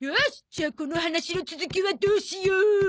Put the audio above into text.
じゃあこの話の続きはどうしよう。